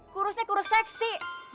kurusnya kurus seksi